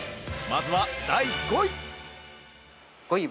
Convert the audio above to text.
まずは第５位！